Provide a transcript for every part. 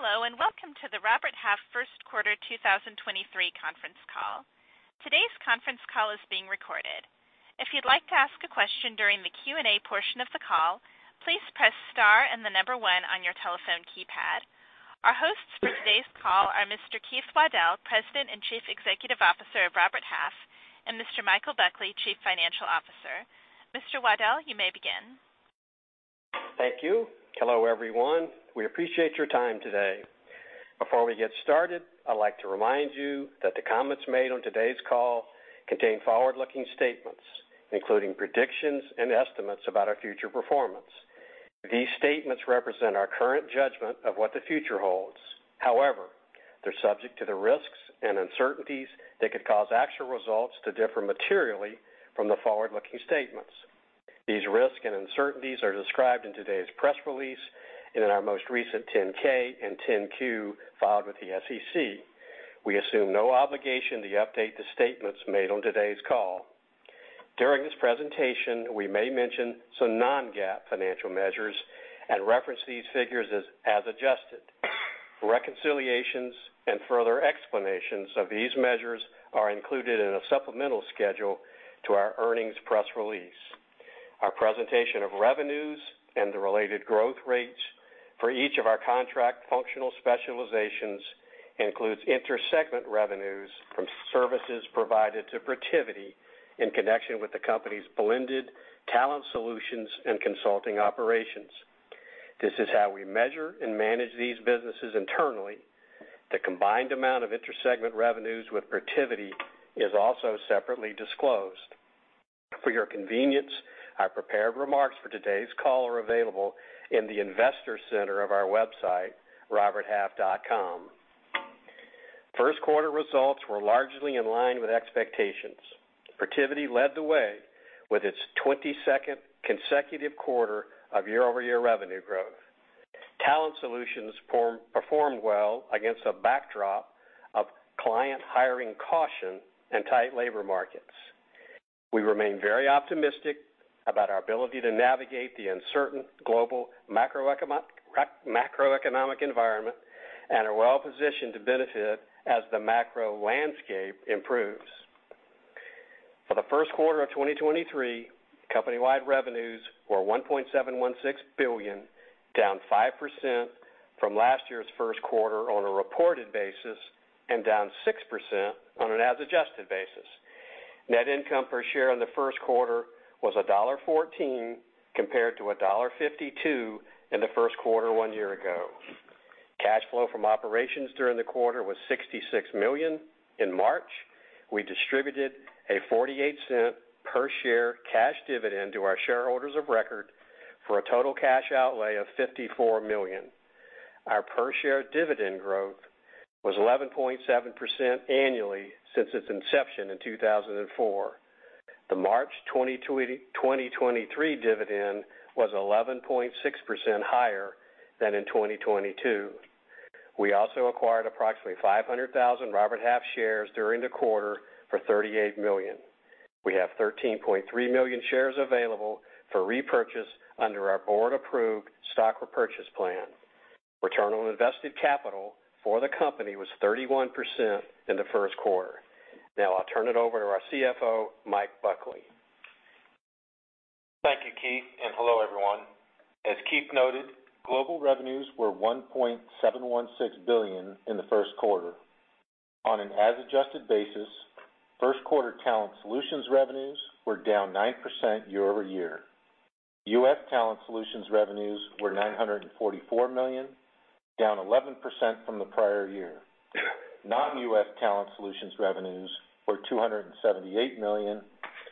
Hello, welcome to the Robert Half first quarter 2023 conference call. Today's conference call is being recorded. If you'd like to ask a question during the Q&A portion of the call, please press star one on your telephone keypad. Our hosts for today's call are Mr. Keith Waddell, President and Chief Executive Officer of Robert Half, and Mr. Michael Buckley, Chief Financial Officer. Mr. Waddell, you may begin. Thank you. Hello, everyone. We appreciate your time today. Before we get started, I'd like to remind you that the comments made on today's call contain forward-looking statements, including predictions and estimates about our future performance. These statements represent our current judgment of what the future holds. However, they're subject to the risks and uncertainties that could cause actual results to differ materially from the forward-looking statements. These risks and uncertainties are described in today's press release and in our most recent 10-K and 10-Q filed with the SEC. We assume no obligation to update the statements made on today's call. During this presentation, we may mention some non-GAAP financial measures and reference these figures as adjusted. Reconciliations and further explanations of these measures are included in a supplemental schedule to our earnings press release. Our presentation of revenues and the related growth rates for each of our contract functional specializations includes inter-segment revenues from services provided to Protiviti in connection with the company's blended Talent Solutions and consulting operations. This is how we measure and manage these businesses internally. The combined amount of inter-segment revenues with Protiviti is also separately disclosed. For your convenience, our prepared remarks for today's call are available in the investor center of our website, roberthalf.com. First quarter results were largely in line with expectations. Protiviti led the way with its 22nd consecutive quarter of year-over-year revenue growth. Talent Solutions performed well against a backdrop of client hiring caution and tight labor markets. We remain very optimistic about our ability to navigate the uncertain global macroeconomic environment and are well positioned to benefit as the macro landscape improves. For the first quarter of 2023, company-wide revenues were $1.716 billion, down 5% from last year's first quarter on a reported basis and down 6% on an as adjusted basis. Net income per share in the first quarter was $1.14 compared to $1.52 in the first quarter one year ago. Cash flow from operations during the quarter was $66 million. In March, we distributed a $0.48 per share cash dividend to our shareholders of record for a total cash outlay of $54 million. Our per share dividend growth was 11.7% annually since its inception in 2004. The March 2023 dividend was 11.6% higher than in 2022. We also acquired approximately 500,000 Robert Half shares during the quarter for $38 million. We have 13.3 million shares available for repurchase under our board-approved stock repurchase plan. Return on invested capital for the company was 31% in the first quarter. Now I'll turn it over to our CFO, Mike Buckley. Thank you, Keith, and hello, everyone. As Keith noted, global revenues were $1.716 billion in the first quarter. On an as adjusted basis, first quarter Talent Solutions revenues were down 9% year-over-year. U.S. Talent Solutions revenues were $944 million, down 11% from the prior year. Non-U.S. Talent Solutions revenues were $278 million,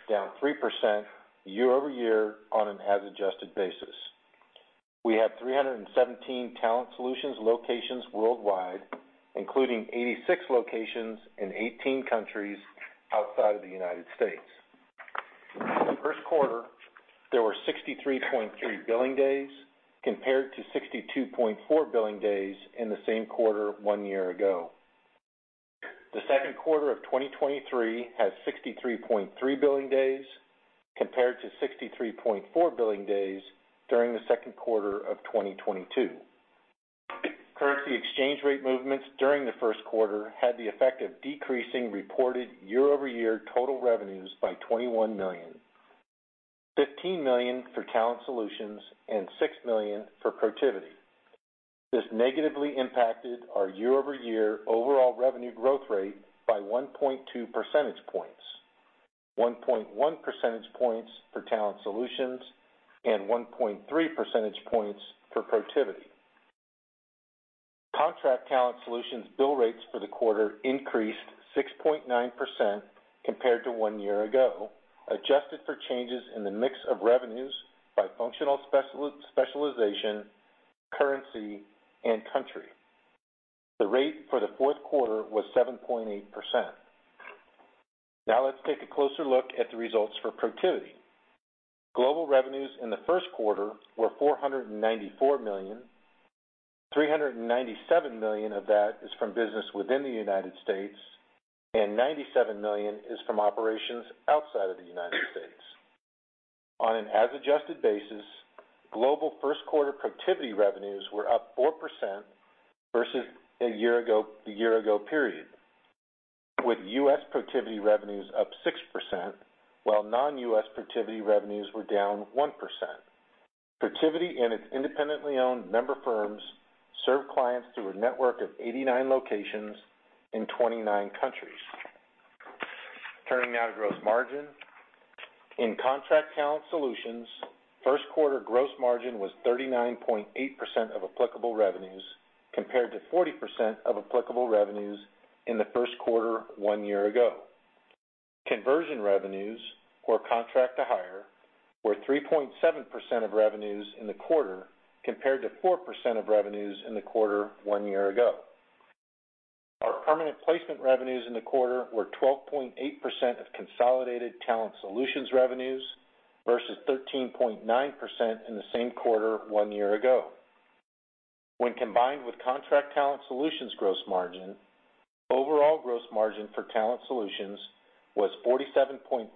down 3% year-over-year on an as adjusted basis. We had 317 Talent Solutions locations worldwide, including 86 locations in 18 countries outside of the United States. In the first quarter, there were 63.3 billing days compared to 62.4 billing days in the same quarter one year ago. The second quarter of 2023 has 63.3 billing days compared to 63.4 billing days during the second quarter of 2022. Currency exchange rate movements during the first quarter had the effect of decreasing reported year-over-year total revenues by $21 million, $15 million for Talent Solutions and $6 million for Protiviti. This negatively impacted our year-over-year overall revenue growth rate by 1.2 percentage points, 1.1 percentage points for Talent Solutions and 1.3 percentage points for Protiviti. Contract Talent Solutions bill rates for the quarter increased 6.9% compared to one year ago, adjusted for changes in the mix of revenues by functional specialization, currency, and country. The rate for the fourth quarter was 7.8%. Let's take a closer look at the results for Protiviti. Global revenues in the first quarter were $494 million. $397 million of that is from business within the United States, and $97 million is from operations outside of the United States. On an as adjusted basis, global first quarter Protiviti revenues were up 4% versus one year ago, the one year ago period, with U.S. Protiviti revenues up 6%, while non-U.S. Protiviti revenues were down 1%. Protiviti and its independently owned member firms serve clients through a network of 89 locations in 29 countries. Turning now to gross margin. In Contract Talent Solutions, first quarter gross margin was 39.8% of applicable revenues compared to 40% of applicable revenues in the first quarter one year ago. Conversion revenues or contract to hire were 3.7% of revenues in the quarter compared to 4% of revenues in the quarter one year ago. Our permanent placement revenues in the quarter were 12.8% of consolidated Talent Solutions revenues versus 13.9% in the same quarter one year ago. Combined with Contract Talent Solutions gross margin, overall gross margin for Talent Solutions was 47.5%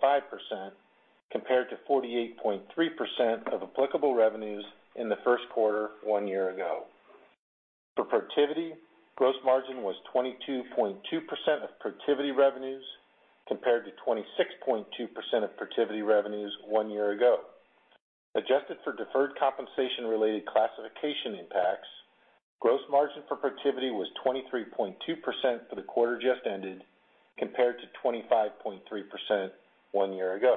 compared to 48.3% of applicable revenues in the first quarter one year ago. For Protiviti, gross margin was 22.2% of Protiviti revenues compared to 26.2% of Protiviti revenues one year ago. Adjusted for deferred compensation-related classification impacts, gross margin for Protiviti was 23.2% for the quarter just ended compared to 25.3% one year ago.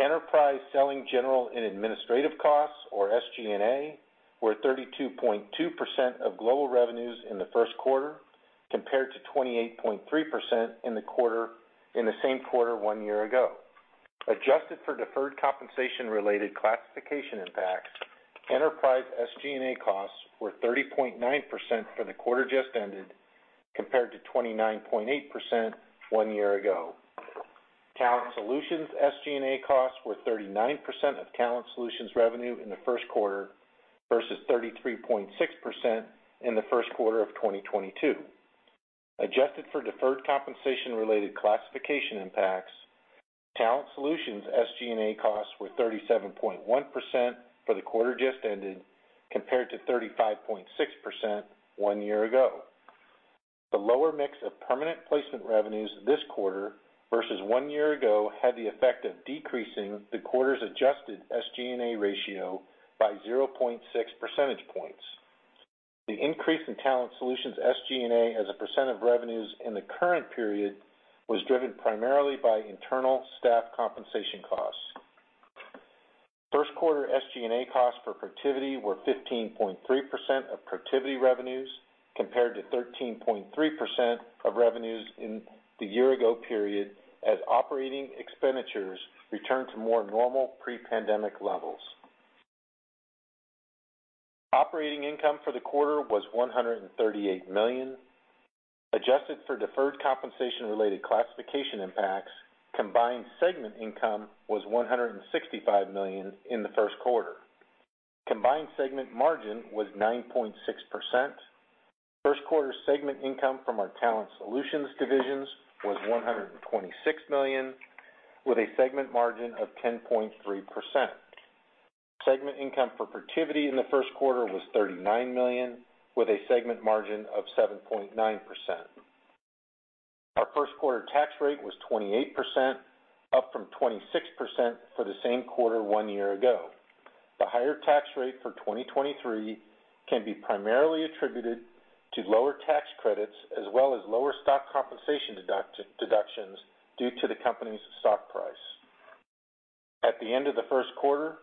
Enterprise selling, general and administrative costs or SG&A were 32.2% of global revenues in the first quarter compared to 28.3% in the same quarter one year ago. Adjusted for deferred compensation-related classification impacts, enterprise SG&A costs were 30.9% for the quarter just ended compared to 29.8% one year ago. Talent Solutions SG&A costs were 39% of Talent Solutions revenue in the first quarter versus 33.6% in the first quarter of 2022. Adjusted for deferred compensation-related classification impacts, Talent Solutions SG&A costs were 37.1% for the quarter just ended compared to 35.6% one year ago. The lower mix of permanent placement revenues this quarter versus one year ago had the effect of decreasing the quarter's adjusted SG&A ratio by 0.6 percentage points. The increase in Talent Solutions SG&A as a % of revenues in the current period was driven primarily by internal staff compensation costs. First quarter SG&A costs for Protiviti were 15.3% of Protiviti revenues compared to 13.3% of revenues in the year ago period as operating expenditures returned to more normal pre-pandemic levels. Operating income for the quarter was $138 million. Adjusted for deferred compensation-related classification impacts, combined segment income was $165 million in the first quarter. Combined segment margin was 9.6%. First quarter segment income from our Talent Solutions divisions was $126 million, with a segment margin of 10.3%. Segment income for Protiviti in the first quarter was $39 million, with a segment margin of 7.9%. Our first quarter tax rate was 28%, up from 26% for the same quarter one year ago. The higher tax rate for 2023 can be primarily attributed to lower tax credits as well as lower stock compensation deductions due to the company's stock price. At the end of the first quarter,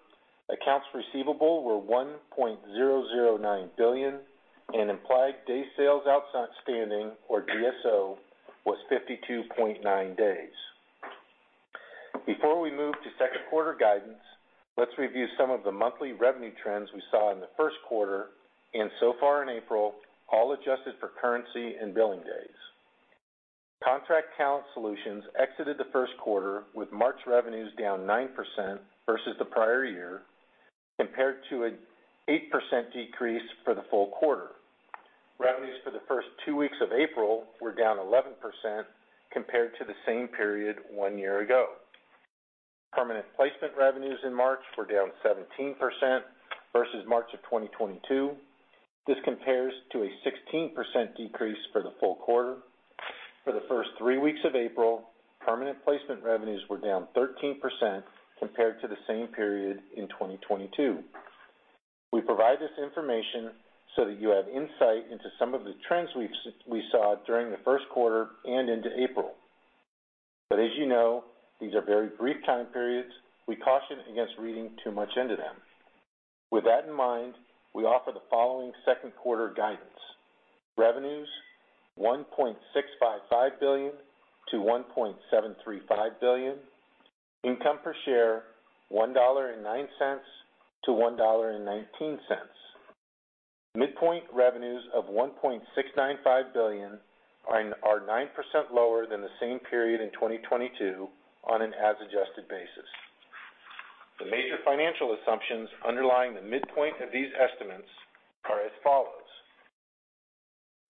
accounts receivable were $1.009 billion, and implied day sales outstanding, or DSO, was 52.9 days. Before we move to second quarter guidance, let's review some of the monthly revenue trends we saw in the first quarter and so far in April, all adjusted for currency and billing days. Contract Talent Solutions exited the first quarter with March revenues down 9% versus the prior year compared to an 8% decrease for the full quarter. Revenues for the first two weeks of April were down 11% compared to the same period one year ago. Permanent placement revenues in March were down 17% versus March of 2022. This compares to a 16% decrease for the full quarter. For the first three weeks of April, permanent placement revenues were down 13% compared to the same period in 2022. We provide this information so that you have insight into some of the trends we saw during the first quarter and into April. As you know, these are very brief time periods. We caution against reading too much into them. With that in mind, we offer the following second quarter guidance. Revenues $1.655 billion-$1.735 billion. Income per share $1.09-$1.19. Midpoint revenues of $1.695 billion are 9% lower than the same period in 2022 on an as adjusted basis. The major financial assumptions underlying the midpoint of these estimates are as follows.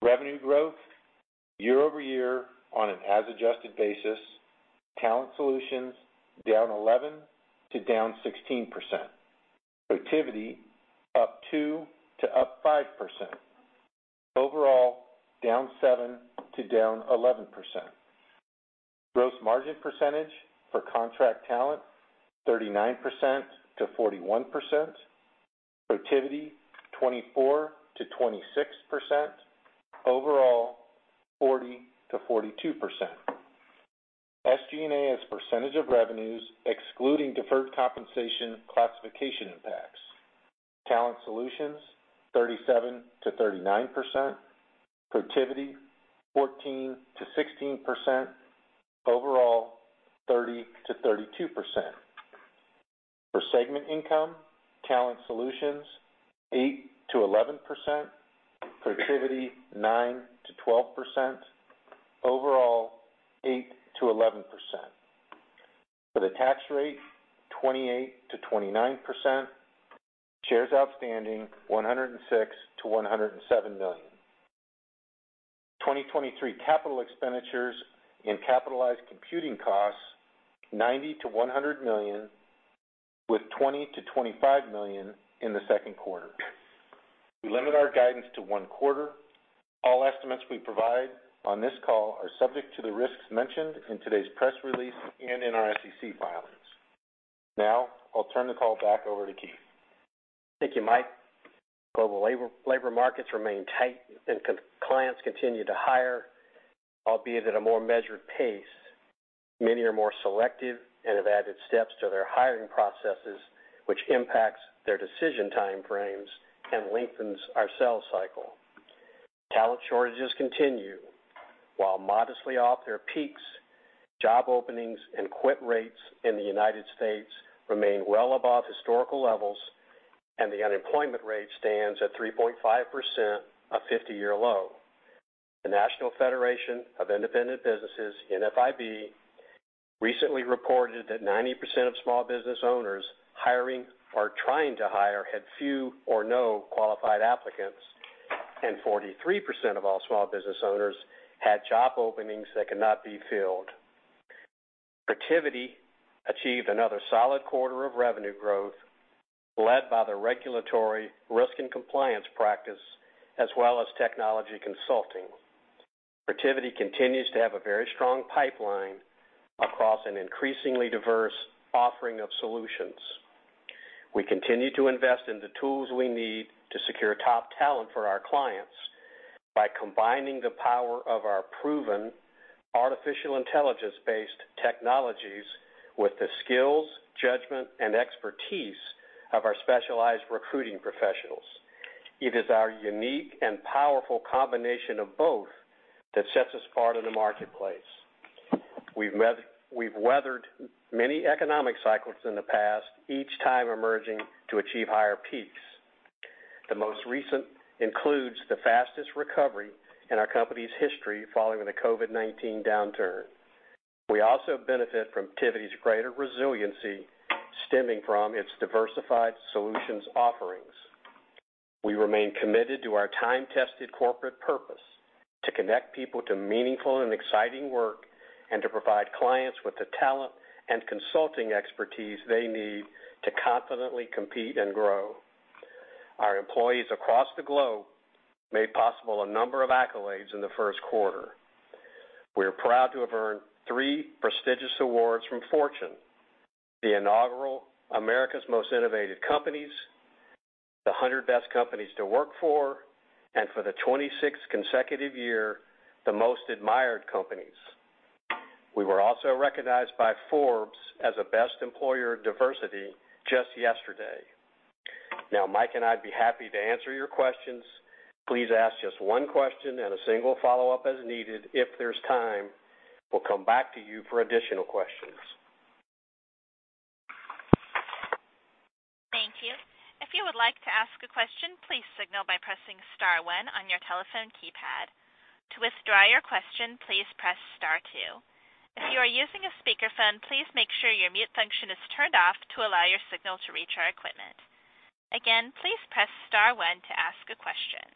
Revenue growth year-over-year on an as adjusted basis, Talent Solutions down 11% to down 16%. Protiviti up 2% to up 5%. Overall, down 7% to down 11%. Gross margin percentage for Contract Talent, 39%-41%. Protiviti, 24%-26%. Overall, 40%-42%. SG&A as % of revenues excluding deferred compensation classification impacts. Talent Solutions, 37%-39%. Protiviti, 14%-16%. Overall, 30%-32%. For segment income, Talent Solutions, 8%-11%. Protiviti, 9%-12%. Overall, 8%-11%. For the tax rate, 28%-29%. Shares outstanding 106 million-107 million. 2023 capital expenditures in capitalized computing costs, $90 million-$100 million, with $20 million-$25 million in the second quarter. We limit our guidance to one quarter. All estimates we provide on this call are subject to the risks mentioned in today's press release and in our SEC filings. Now I'll turn the call back over to Keith. Thank you, Mike. Global labor markets remain tight and clients continue to hire, albeit at a more measured pace. Many are more selective and have added steps to their hiring processes, which impacts their decision time frames and lengthens our sales cycle. Talent shortages continue. While modestly off their peaks, job openings and quit rates in the United States remain well above historical levels, and the unemployment rate stands at 3.5%, a 50-year low. The National Federation of Independent Business, NFIB, recently reported that 90% of small business owners hiring or trying to hire had few or no qualified applicants, and 43% of all small business owners had job openings that could not be filled. Protiviti achieved another solid quarter of revenue growth led by the regulatory risk and compliance practice as well as technology consulting. Protiviti continues to have a very strong pipeline across an increasingly diverse offering of solutions. We continue to invest in the tools we need to secure top talent for our clients by combining the power of our proven artificial intelligence-based technologies with the skills, judgment, and expertise of our specialized recruiting professionals. It is our unique and powerful combination of both that sets us apart in the marketplace. We've weathered many economic cycles in the past, each time emerging to achieve higher peaks. The most recent includes the fastest recovery in our company's history following the COVID-19 downturn. We also benefit from Protiviti's greater resiliency stemming from its diversified solutions offerings. We remain committed to our time-tested corporate purpose to connect people to meaningful and exciting work, and to provide clients with the talent and consulting expertise they need to confidently compete and grow. Our employees across the globe made possible a number of accolades in the first quarter. We are proud to have earned three prestigious awards from Fortune, the inaugural America's Most Innovative Companies, the 100 Best Companies to Work For, and for the 26th consecutive year, the Most Admired Companies. We were also recognized by Forbes as a Best Employer for Diversity just yesterday. Mike and I'd be happy to answer your questions. Please ask just one question and a single follow-up as needed if there's time. We'll come back to you for additional questions. Thank you. If you would like to ask a question, please signal by pressing star one on your telephone keypad. To withdraw your question, please press star two. If you are using a speakerphone, please make sure your mute function is turned off to allow your signal to reach our equipment. Again, please press star one to ask a question.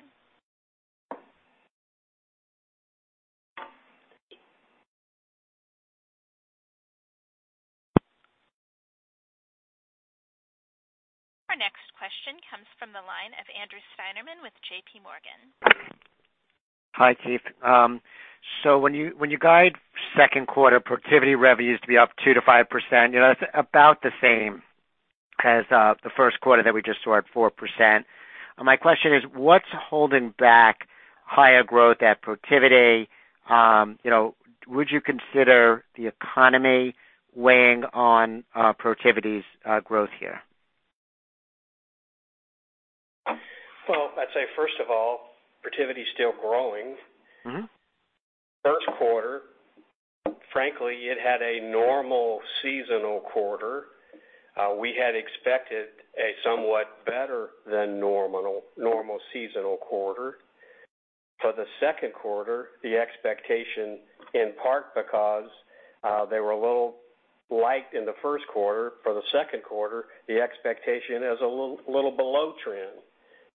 Our next question comes from the line of Andrew Steinerman with JPMorgan. Hi, Keith. When you guide second quarter Protiviti revenues to be up 2%-5%, you know, that's about the same as the first quarter that we just saw at 4%. My question is, what's holding back higher growth at Protiviti? You know, would you consider the economy weighing on Protiviti's growth here? Well, I'd say first of all, Protiviti is still growing. First quarter, frankly, it had a normal seasonal quarter. We had expected a somewhat better than normal seasonal quarter. For the second quarter, the expectation, in part because, they were a little light in the first quarter. For the second quarter, the expectation is a little below trend.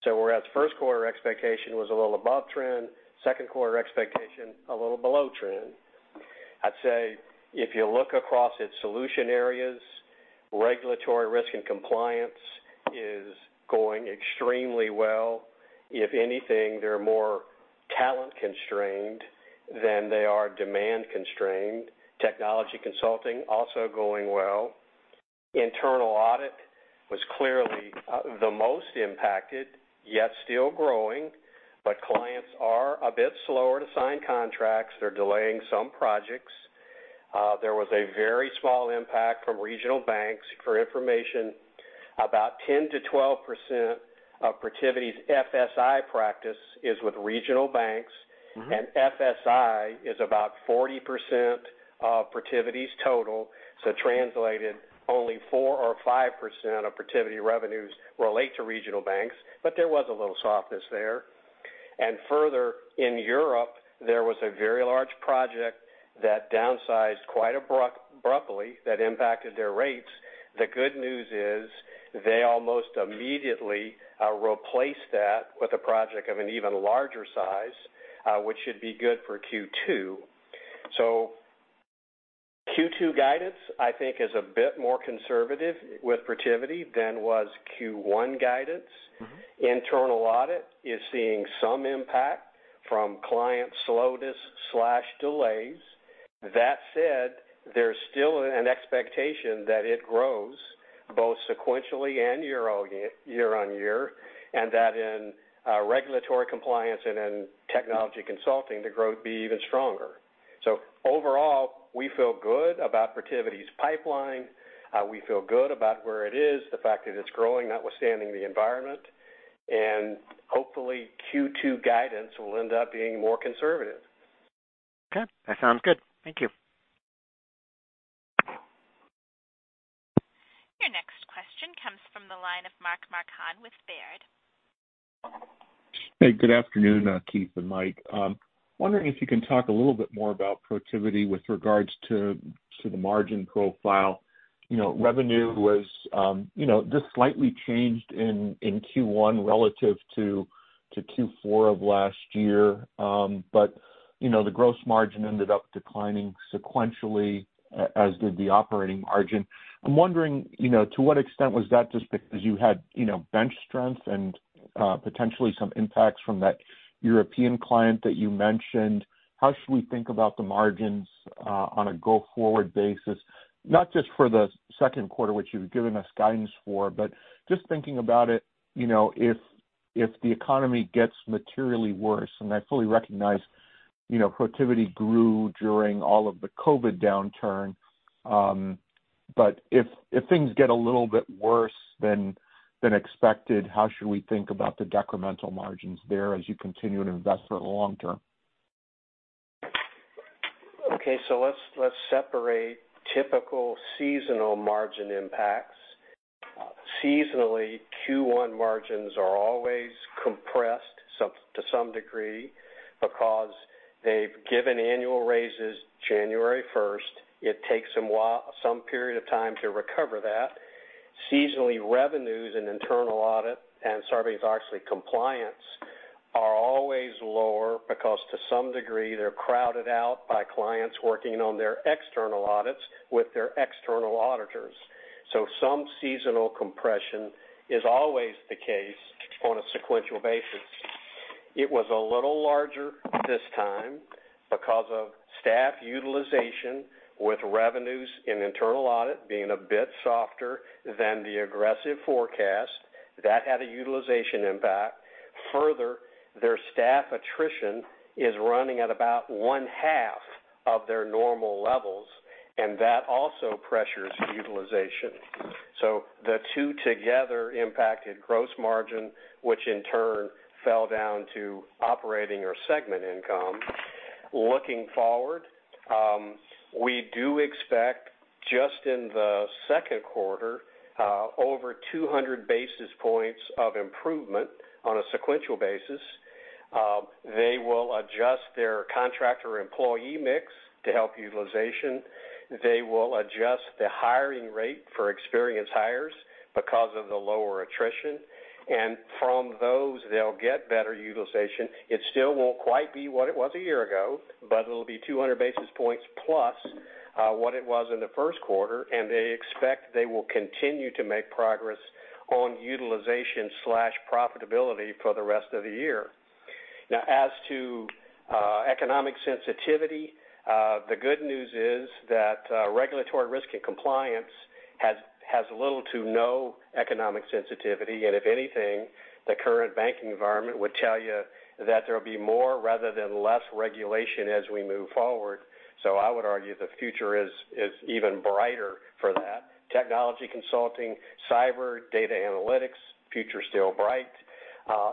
Whereas first quarter expectation was a little above trend, second quarter expectation a little below trend. I'd say if you look across its solution areas, regulatory risk and compliance is going extremely well. If anything, they're more talent constrained than they are demand constrained. Technology consulting also going well. Internal audit was clearly the most impacted, yet still growing. Clients are a bit slower to sign contracts. They're delaying some projects. There was a very small impact from regional banks. For information, about 10%-12% of Protiviti's FSI practice is with regional banks. FSI is about 40% of Protiviti's total. Translated only 4% or 5% of Protiviti revenues relate to regional banks, but there was a little softness there. Further, in Europe, there was a very large project that downsized quite abruptly that impacted their rates. The good news is they almost immediately replaced that with a project of an even larger size, which should be good for Q2. Q2 guidance, I think, is a bit more conservative with Protiviti than was Q1 guidance. Internal audit is seeing some impact from client slowness/delays. That said, there's still an expectation that it grows both sequentially and year-on-year, and that in regulatory compliance and in technology consulting, the growth be even stronger. Overall, we feel good about Protiviti's pipeline. We feel good about where it is, the fact that it's growing notwithstanding the environment. Hopefully Q2 guidance will end up being more conservative. Okay, that sounds good. Thank you. Your next question comes from the line of Mark Marcon with Baird. Hey, good afternoon, Keith and Mike. Wondering if you can talk a little bit more about Protiviti with regards to the margin profile. You know, revenue was, you know, just slightly changed in Q1 relative to Q4 of last year. You know, the gross margin ended up declining sequentially, as did the operating margin. I'm wondering, you know, to what extent was that just because you had, you know, bench strength and potentially some impacts from that European client that you mentioned. How should we think about the margins, on a go-forward basis, not just for the second quarter, which you've given us guidance for, but just thinking about it, you know, if the economy gets materially worse, and I fully recognize, you know, Protiviti grew during all of the COVID downturn, but if things get a little bit worse than expected, how should we think about the decremental margins there as you continue to invest for the long term? Okay, let's separate typical seasonal margin impacts. Seasonally, Q1 margins are always compressed to some degree because they've given annual raises January 1st. It takes them some period of time to recover that. Seasonally, revenues in internal audit and Sarbanes-Oxley compliance are always lower because to some degree they're crowded out by clients working on their external audits with their external auditors. Some seasonal compression is always the case on a sequential basis. It was a little larger this time because of staff utilization, with revenues in internal audit being a bit softer than the aggressive forecast. That had a utilization impact. Further, their staff attrition is running at about one half of their normal levels, and that also pressures utilization. The two together impacted gross margin, which in turn fell down to operating or segment income. Looking forward, we do expect just in the second quarter, over 200 basis points of improvement on a sequential basis. They will adjust their contractor employee mix to help utilization. They will adjust the hiring rate for experienced hires because of the lower attrition. From those, they'll get better utilization. It still won't quite be what it was a year ago, but it'll be 200 basis points plus what it was in the first quarter. They expect they will continue to make progress on utilization/profitability for the rest of the year. Now, as to economic sensitivity, the good news is that regulatory risk and compliance has little to no economic sensitivity. If anything, the current banking environment would tell you that there will be more rather than less regulation as we move forward. I would argue the future is even brighter for that. Technology consulting, cyber, data analytics, future's still bright.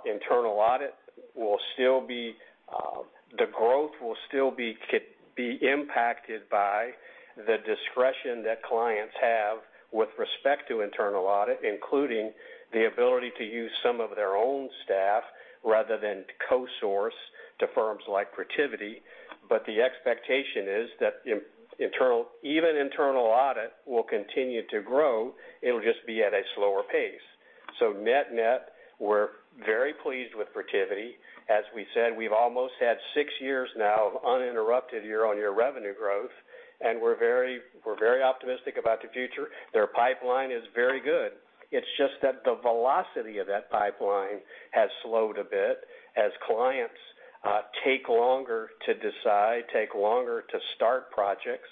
Internal audit will still be. The growth will still be impacted by the discretion that clients have with respect to internal audit, including the ability to use some of their own staff rather than co-source to firms like Protiviti. The expectation is that even internal audit will continue to grow, it'll just be at a slower pace. Net-net, we're very pleased with Protiviti. As we said, we've almost had six years now of uninterrupted year-on-year revenue growth, and we're very optimistic about the future. Their pipeline is very good. It's just that the velocity of that pipeline has slowed a bit as clients take longer to decide, take longer to start projects.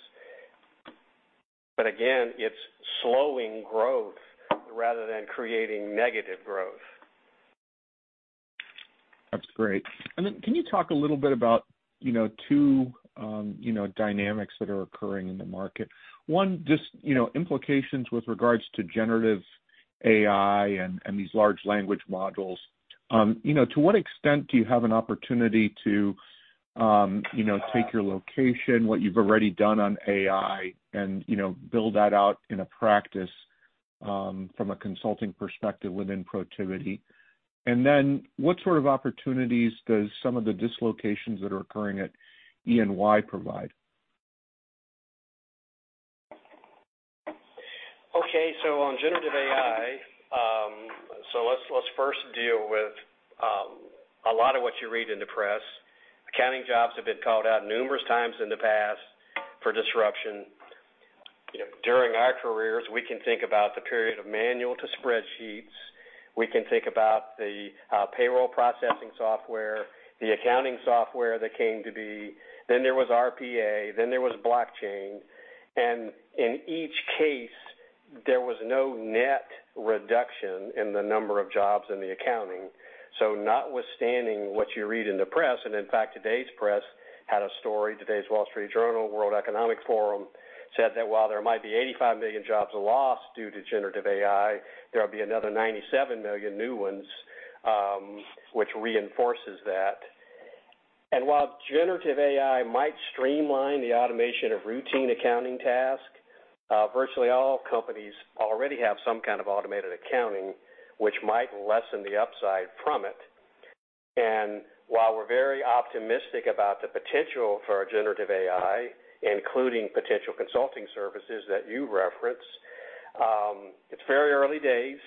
Again, it's slowing growth rather than creating negative growth. That's great. Can you talk a little bit about, you know, two, you know, dynamics that are occurring in the market. One, just, you know, implications with regards to generative AI and these large language models. You know, to what extent do you have an opportunity to, you know, take your location, what you've already done on AI and, you know, build that out in a practice, from a consulting perspective within Protiviti? What sort of opportunities does some of the dislocations that are occurring at EY provide? Okay. On generative AI, let's first deal with a lot of what you read in the press. Accounting jobs have been called out numerous times in the past for disruption. You know, during our careers, we can think about the period of manual to spreadsheets. We can think about the payroll processing software, the accounting software that came to be, then there was RPA, then there was blockchain. In each case, there was no net reduction in the number of jobs in the accounting. Notwithstanding what you read in the press, and in fact, today's press had a story, today's The Wall Street Journal, World Economic Forum said that while there might be 85 million jobs lost due to generative AI, there'll be another 97 million new ones, which reinforces that. While generative AI might streamline the automation of routine accounting tasks, virtually all companies already have some kind of automated accounting, which might lessen the upside from it. While we're very optimistic about the potential for generative AI, including potential consulting services that you reference, it's very early days.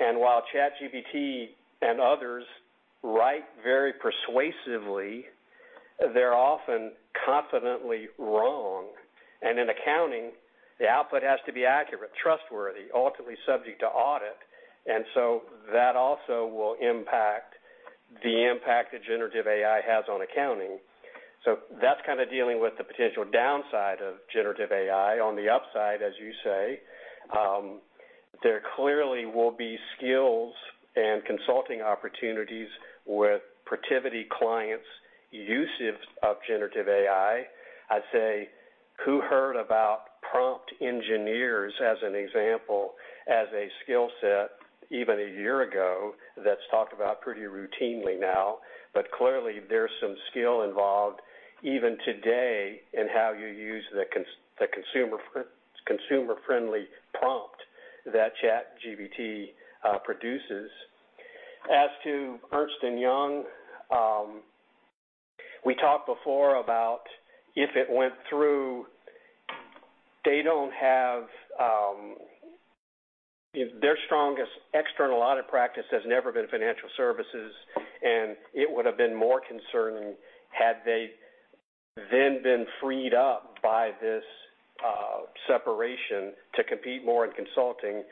While ChatGPT and others write very persuasively, they're often confidently wrong. In accounting, the output has to be accurate, trustworthy, ultimately subject to audit. That also will impact the impact that generative AI has on accounting. That's kind of dealing with the potential downside of generative AI. On the upside, as you say, there clearly will be skills and consulting opportunities with Protiviti clients' uses of generative AI. I'd say, who heard about prompt engineers as an example, as a skill set even a year ago that's talked about pretty routinely now. Clearly, there's some skill involved even today in how you use the consumer-friendly prompt that ChatGPT produces. As to Ernst & Young, we talked before about if it went through, they don't have. Their strongest external audit practice has never been financial services, and it would have been more concerning had they then been freed up by this separation to compete more in consulting.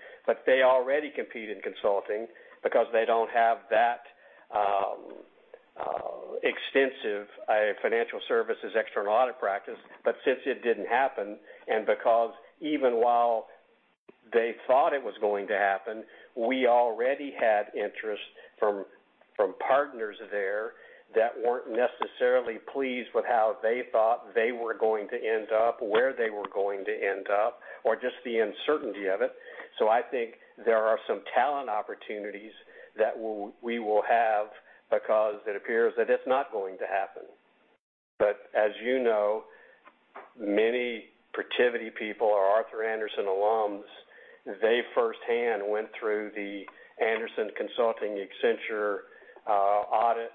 They already compete in consulting because they don't have that extensive financial services external audit practice. Since it didn't happen, and because even while they thought it was going to happen, we already had interest from partners there that weren't necessarily pleased with how they thought they were going to end up, where they were going to end up, or just the uncertainty of it. I think there are some talent opportunities that we will have because it appears that it's not going to happen. As you know, many Protiviti people are Arthur Andersen alums. They firsthand went through the Andersen Consulting Accenture audit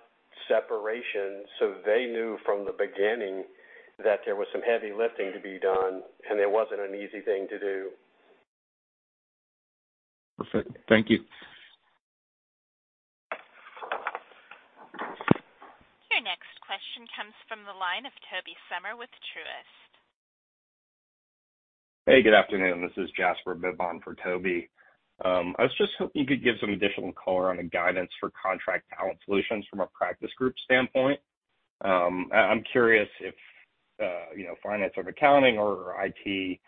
separation. They knew from the beginning that there was some heavy lifting to be done, and it wasn't an easy thing to do. Perfect. Thank you. Your next question comes from the line of Tobey Sommer with Truist. Hey, good afternoon. This is Jasper Bibb for Toby. I was just hoping you could give some additional color on the guidance for Contract Talent Solutions from a practice group standpoint. I'm curious if, you know, finance or accounting or IT,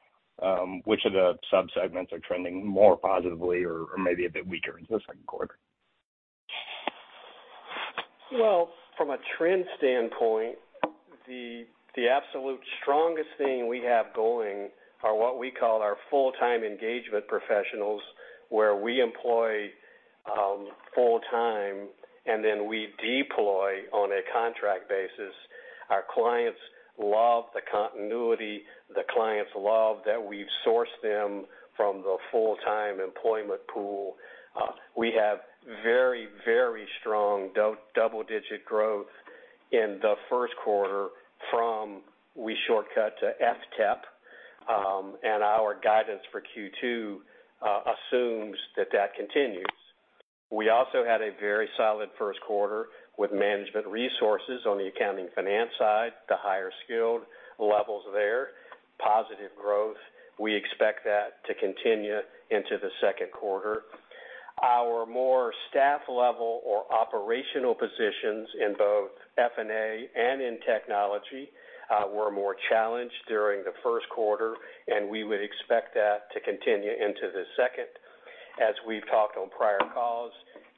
which of the subsegments are trending more positively or maybe a bit weaker into the second quarter? Well, from a trend standpoint. The absolute strongest thing we have going are what we call our Full-Time Engagement Professionals, where we employ, full-time and then we deploy on a contract basis. Our clients love the continuity. The clients love that we've sourced them from the full-time employment pool. We have very, very strong double-digit growth in the first quarter from we shortcut to FTEP, and our guidance for Q2 assumes that that continues. We also had a very solid first quarter with Management Resources on the accounting finance side, the higher skilled levels there, positive growth. We expect that to continue into the second quarter. Our more staff level or operational positions in both F&A and in technology were more challenged during the first quarter, and we would expect that to continue into the second. As we've talked on prior calls,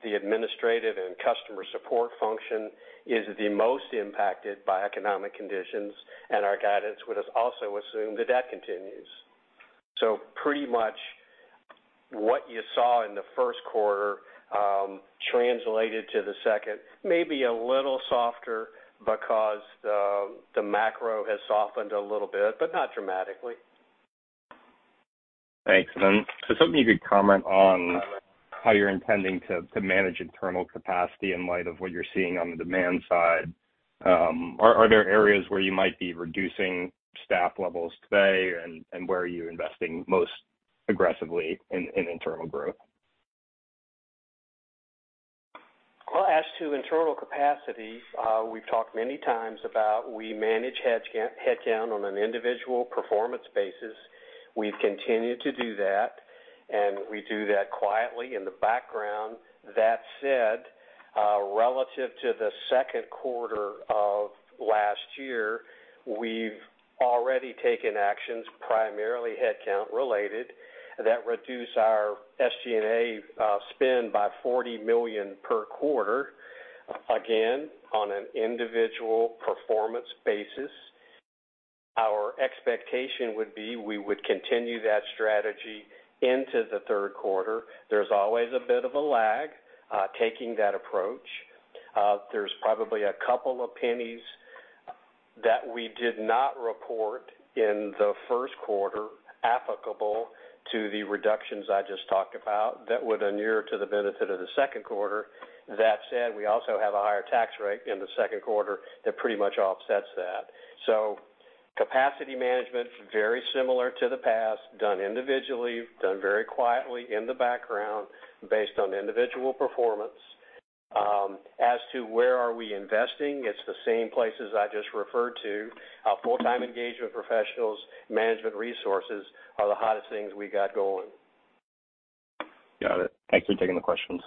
the administrative and customer support function is the most impacted by economic conditions, and our guidance would also assume that continues. Pretty much what you saw in the first quarter, translated to the second, maybe a little softer because the macro has softened a little bit, but not dramatically. Thanks. Something you could comment on how you're intending to manage internal capacity in light of what you're seeing on the demand side? Are there areas where you might be reducing staff levels today? Where are you investing most aggressively in internal growth? As to internal capacity, we've talked many times about we manage headcount on an individual performance basis. We've continued to do that, and we do that quietly in the background. That said, relative to the second quarter of last year, we've already taken actions, primarily headcount related, that reduce our SG&A spend by $40 million per quarter, again, on an individual performance basis. Our expectation would be we would continue that strategy into the third quarter. There's always a bit of a lag, taking that approach. There's probably a couple of pennies that we did not report in the first quarter applicable to the reductions I just talked about that would inure to the benefit of the second quarter. That said, we also have a higher tax rate in the second quarter that pretty much offsets that. Capacity management, very similar to the past, done individually, done very quietly in the background based on individual performance. As to where are we investing, it's the same places I just referred to. Our Full-Time Engagement Professionals, Management Resources are the hottest things we got going. Got it. Thanks for taking the questions.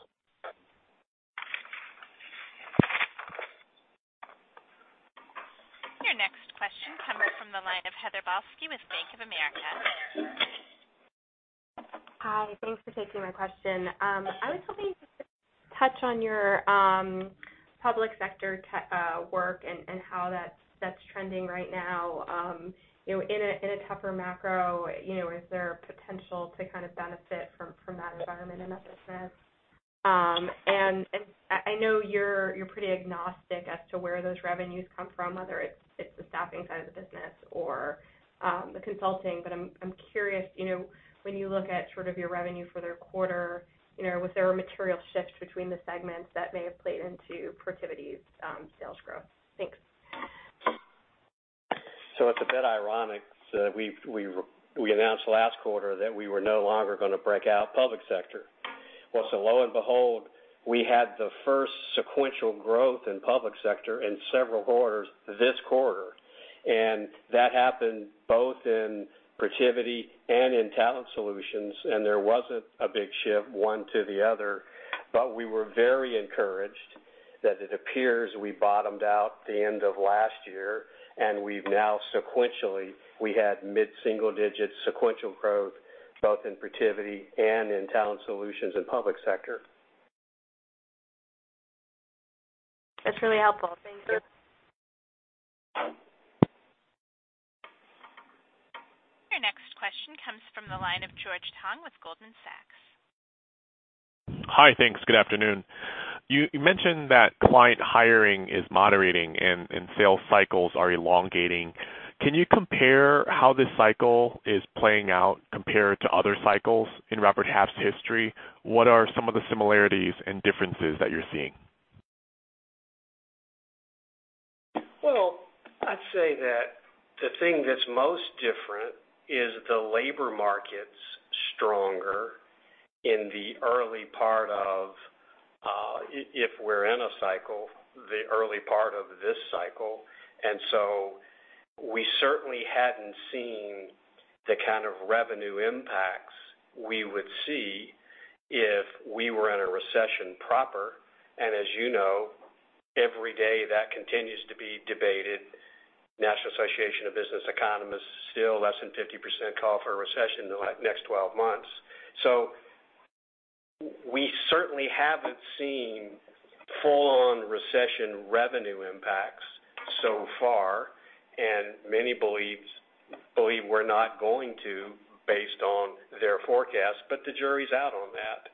Your next question comes from the line of Heather Balsky with Bank of America. Hi. Thanks for taking my question. I was hoping you could touch on your public sector work and how that's trending right now. You know, in a tougher macro, you know, is there potential to kind of benefit from that environment in other sense? And I know you're pretty agnostic as to where those revenues come from, whether it's the staffing side of the business or the consulting, but I'm curious, you know, when you look at sort of your revenue for the quarter, you know, was there a material shift between the segments that may have played into Protiviti's sales growth? Thanks. It's a bit ironic. We announced last quarter that we were no longer gonna break out public sector. Well, lo and behold, we had the first sequential growth in public sector in several quarters this quarter. That happened both in Protiviti and in Talent Solutions, and there wasn't a big shift one to the other. We were very encouraged that it appears we bottomed out the end of last year, and we've now sequentially, we had mid-single digit sequential growth both in Protiviti and in Talent Solutions in public sector. That's really helpful. Thanks. Your next question comes from the line of George Tong with Goldman Sachs. Hi. Thanks. Good afternoon. You mentioned that client hiring is moderating and sales cycles are elongating. Can you compare how this cycle is playing out compared to other cycles in Robert Half's history? What are some of the similarities and differences that you're seeing? Well, I'd say that the thing that's most different is the labor market's stronger in the early part of, if we're in a cycle, the early part of this cycle. We certainly hadn't seen the kind of revenue impacts we would see if we were in a recession proper. As you know, every day that continues to be debated. National Association for Business Economics, still less than 50% call for a recession the next 12 months. We certainly haven't seen full-on recession revenue impacts so far, and many believe we're not going to based on their forecast. The jury's out on that.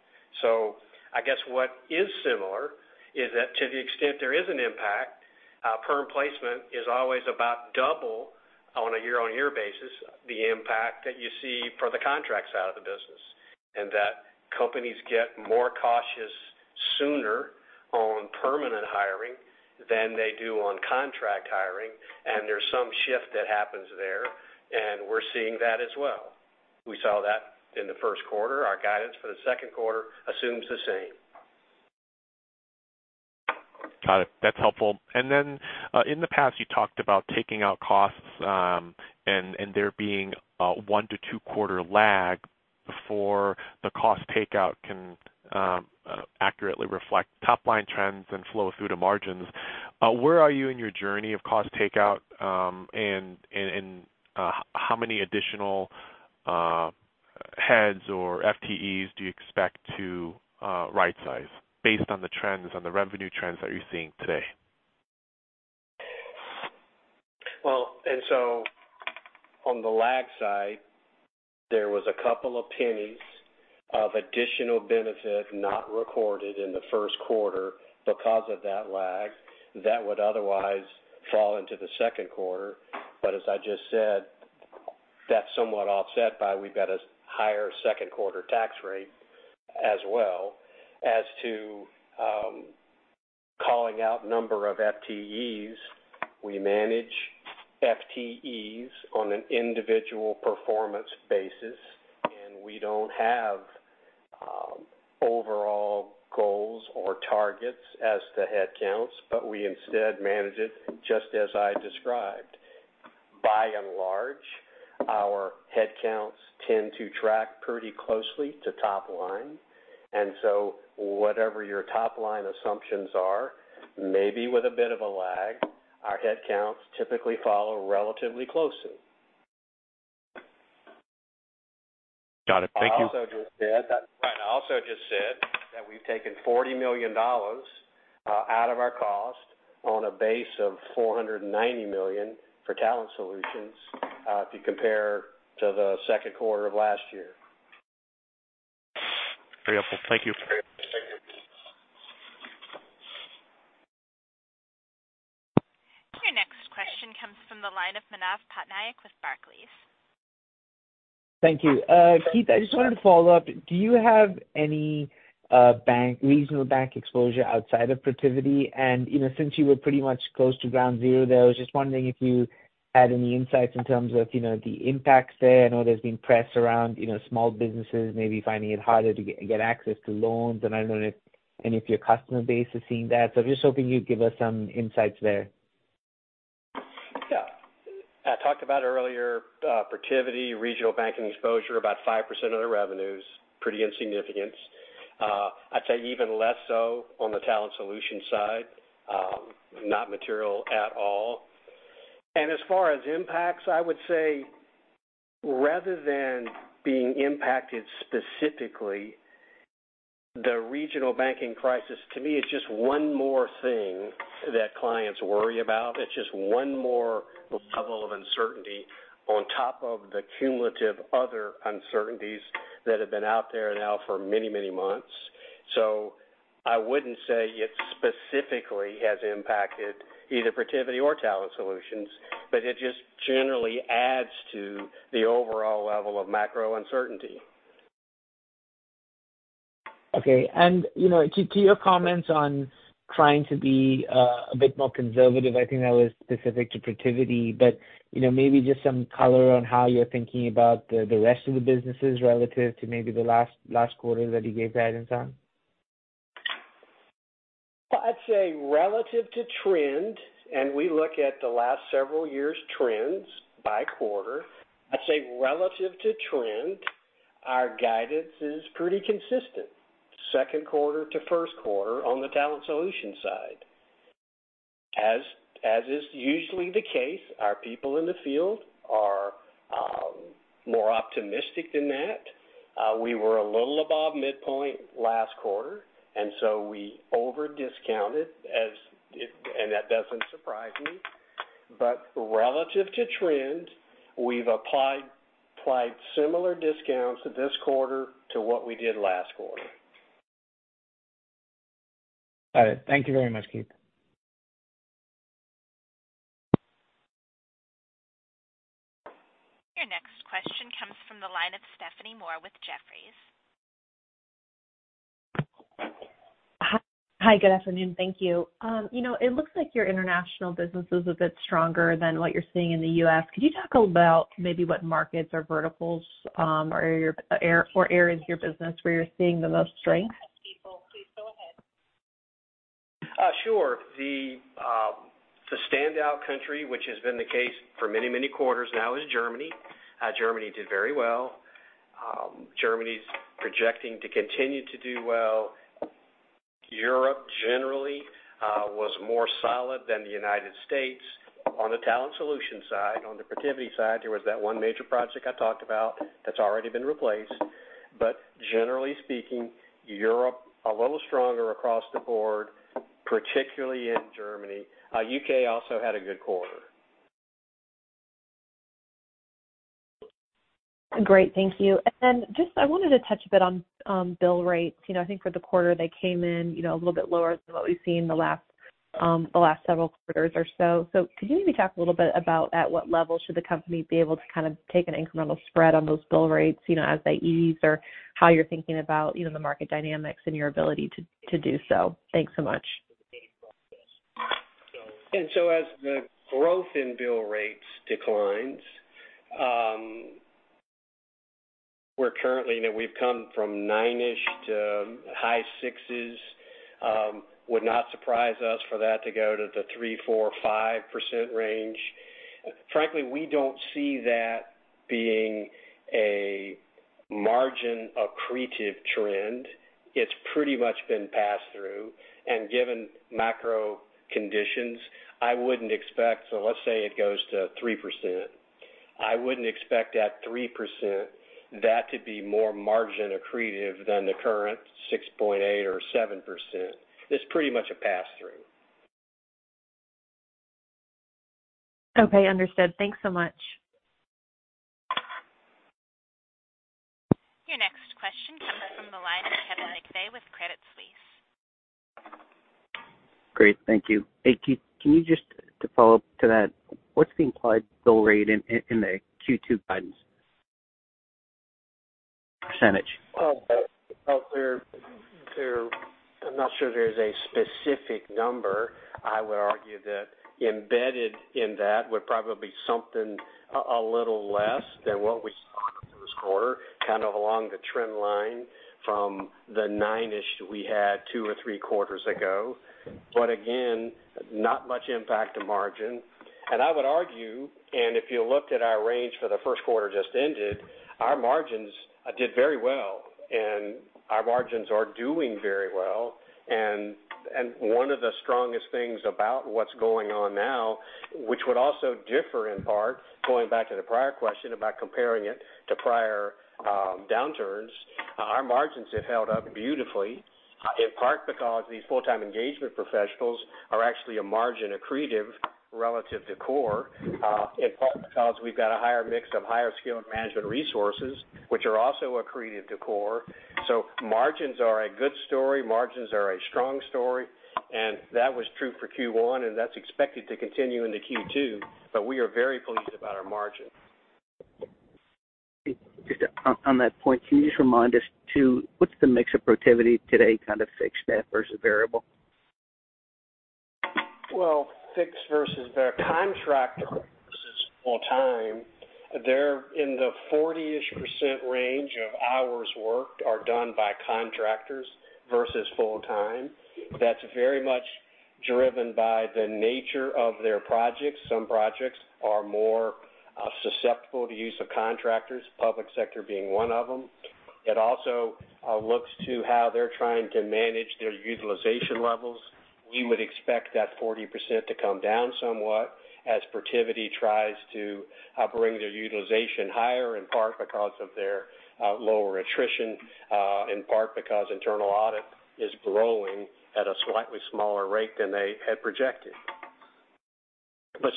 I guess what is similar is that to the extent there is an impact, perm placement is always about double on a year-on-year basis, the impact that you see for the contracts out of the business, and that companies get more cautious sooner on permanent hiring than they do on contract hiring. There's some shift that happens there, and we're seeing that as well. We saw that in the first quarter. Our guidance for the second quarter assumes the same. Got it. That's helpful. In the past, you talked about taking out costs, and there being a one to two-quarter lag before the cost takeout can accurately reflect top line trends and flow through to margins. Where are you in your journey of cost takeout, and how many additional heads or FTEs do you expect to right size based on the trends, on the revenue trends that you're seeing today? On the lag side, there was two pennies of additional benefit not recorded in the first quarter because of that lag that would otherwise fall into the second quarter. As I just said, that's somewhat offset by we've got a higher second quarter tax rate as well. As to calling out number of FTEs, we manage FTEs on an individual performance basis, and we don't have overall goals or targets as to headcounts, but we instead manage it just as I described. By and large, our headcounts tend to track pretty closely to top line. Whatever your top-line assumptions are, maybe with a bit of a lag, our headcounts typically follow relatively closely. Got it. Thank you. I also just said that we've taken $40 million out of our cost on a base of $490 million for Talent Solutions if you compare to the second quarter of last year. Very helpful. Thank you. Your next question comes from the line of Manav Patnaik with Barclays. Thank you. Keith, I just wanted to follow up. Do you have any regional bank exposure outside of Protiviti? You know, since you were pretty much close to ground zero there, I was just wondering if you had any insights in terms of, you know, the impacts there. I know there's been press around, you know, small businesses maybe finding it harder to get access to loans, and I don't know if any of your customer base is seeing that. I'm just hoping you'd give us some insights there. I talked about earlier, Protiviti regional banking exposure, about 5% of the revenue is pretty insignificant. I'd say even less so on the Talent Solutions side, not material at all. As far as impacts, I would say rather than being impacted specifically, the regional banking crisis, to me, is just one more thing that clients worry about. It's just one more level of uncertainty on top of the cumulative other uncertainties that have been out there now for many, many months. I wouldn't say it specifically has impacted either Protiviti or Talent Solutions, but it just generally adds to the overall level of macro uncertainty. Okay. You know, to your comments on trying to be, a bit more conservative, I think that was specific to Protiviti. You know, maybe just some color on how you're thinking about the rest of the businesses relative to maybe the last quarter that you gave guidance on. Well, I'd say relative to trend, and we look at the last several years trends by quarter. I'd say relative to trend, our guidance is pretty consistent, second quarter to first quarter on the Talent Solution side. As is usually the case, our people in the field are more optimistic than that. We were a little above midpoint last quarter, and so we over-discounted and that doesn't surprise me. Relative to trend, we've applied similar discounts this quarter to what we did last quarter. All right. Thank you very much, Keith. Your next question comes from the line of Stephanie Moore with Jefferies. Hi. Good afternoon. Thank you. you know, it looks like your international business is a bit stronger than what you're seeing in the U.S. Could you talk about maybe what markets or verticals, or areas of your business where you're seeing the most strength? Please go ahead. Sure. The standout country, which has been the case for many quarters now, is Germany. Germany did very well. Germany's projecting to continue to do well. Was more solid than the United States on the Talent Solutions side. On the Protiviti side, there was that one major project I talked about that's already been replaced. Generally speaking, Europe, a little stronger across the board, particularly in Germany. U.K. also had a good quarter. Great. Thank you. Just I wanted to touch a bit on bill rates. You know, I think for the quarter, they came in, you know, a little bit lower than what we've seen the last several quarters or so. Could you maybe talk a little bit about at what level should the company be able to kind of take an incremental spread on those bill rates, you know, as they ease, or how you're thinking about, you know, the market dynamics and your ability to do so? Thanks so much. As the growth in bill rates declines, you know, we've come from nine-ish to high 6s. Would not surprise us for that to go to the 3%, 4%, 5% range. Frankly, we don't see that being a margin accretive trend. It's pretty much been passed through. Given macro conditions, let's say it goes to 3%. I wouldn't expect at 3% that to be more margin accretive than the current 6.8% or 7%. It's pretty much a pass-through. Okay, understood. Thanks so much. Your next question comes from the line of Kevin McVeigh with Credit Suisse. Great, thank you. Hey, can you just to follow up to that, what's the implied bill rate in the Q2 guidance %? There... I'm not sure there's a specific number. I would argue that embedded in that would probably something a little less than what we saw this quarter, kind of along the trend line from the nine-ish we had two or three quarters ago. Again, not much impact to margin. I would argue, and if you looked at our range for the first quarter just ended, our margins did very well, and our margins are doing very well. One of the strongest things about what's going on now, which would also differ in part, going back to the prior question about comparing it to prior downturns, our margins have held up beautifully, in part because these Full-Time Engagement Professionals are actually a margin accretive relative to core, in part because we've got a higher mix of higher skill and Management Resources, which are also accretive to core. Margins are a good story, margins are a strong story, and that was true for Q1, and that's expected to continue into Q2. We are very pleased about our margin. Just on that point, can you just remind us to what's the mix of Protiviti today, kind of fixed staff versus variable? Fixed versus Contractor versus full-time, they're in the 40-ish% range of hours worked are done by contractors versus full-time. That's very much driven by the nature of their projects. Some projects are more susceptible to use of contractors, public sector being one of them. It also looks to how they're trying to manage their utilization levels. We would expect that 40% to come down somewhat as Protiviti tries to bring their utilization higher, in part because of their lower attrition, in part because internal audit is growing at a slightly smaller rate than they had projected.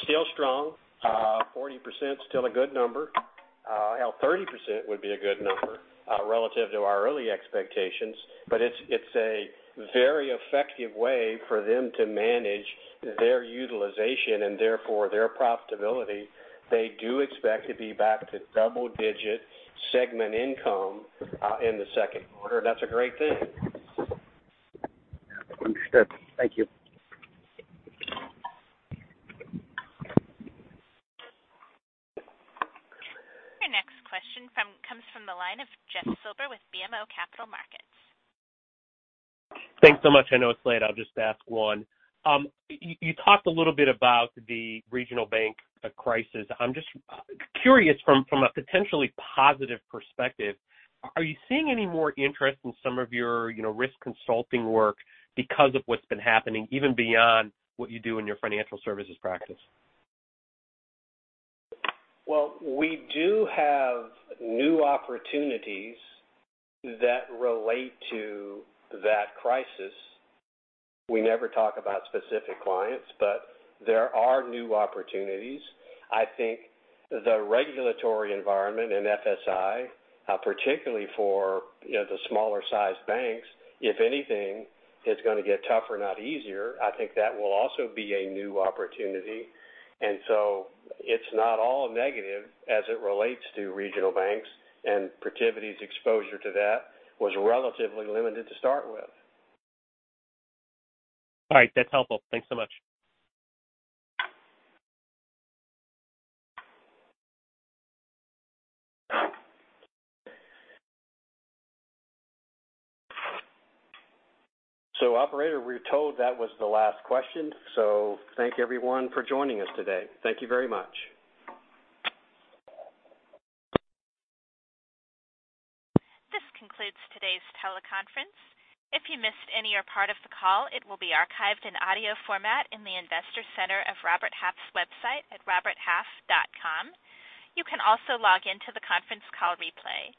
Still strong. 40% still a good number. Hell, 30% would be a good number, relative to our early expectations. It's a very effective way for them to manage their utilization and therefore their profitability. They do expect to be back to double digit segment income in the second quarter. That's a great thing. Understood. Thank you. Your next question comes from the line of Jeff Silber with BMO Capital Markets. Thanks so much. I know it's late. I'll just ask one. You talked a little bit about the regional bank crisis. I'm just curious from a potentially positive perspective, are you seeing any more interest in some of your, you know, risk consulting work because of what's been happening even beyond what you do in your financial services practice? We do have new opportunities that relate to that crisis. We never talk about specific clients, but there are new opportunities. I think the regulatory environment and FSI, particularly for, you know, the smaller sized banks, if anything, is gonna get tougher, not easier. I think that will also be a new opportunity. It's not all negative as it relates to regional banks, and Protiviti's exposure to that was relatively limited to start with. All right. That's helpful. Thanks so much. Operator, we're told that was the last question. Thank everyone for joining us today. Thank you very much. This concludes today's teleconference. If you missed any or part of the call, it will be archived in audio format in the Investor Center of Robert Half's website at roberthalf.com. You can also log in to the conference call replay.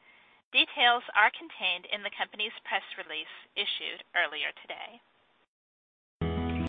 Details are contained in the company's press release issued earlier today.